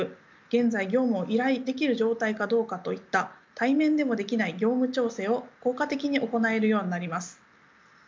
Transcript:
現在業務を依頼できる状態かどうかといった対面でもできない業務調整を効果的に行えるようになります。